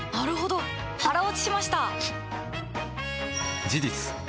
腹落ちしました！